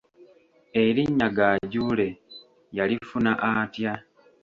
Erinnya Gaajuule, yalifuna atya?